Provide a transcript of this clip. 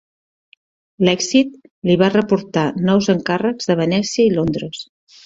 L'èxit li va reportar nous encàrrecs de Venècia i Londres.